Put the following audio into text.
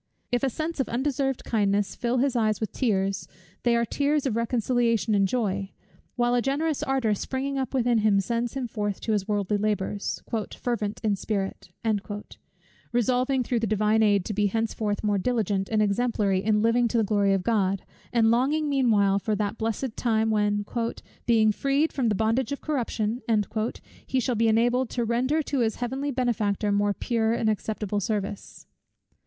If a sense of undeserved kindness fill his eyes with tears, they are tears of reconciliation and joy: while a generous ardour springing up within him sends him forth to his worldly labours "fervent in spirit;" resolving through the Divine aid to be henceforth more diligent and exemplary in living to the Glory of God, and longing meanwhile for that blessed time, when, "being freed from the bondage of corruption," he shall be enabled to render to his Heavenly Benefactor more pure and acceptable service.